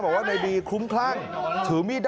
สวัสดีครับทุกคน